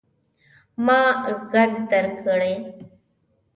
ما ږغ در وکړئ.